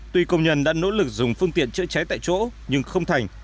tuy công nhân đã nỗ lực dùng phương tiện chữa cháy tại chỗ nhưng không thành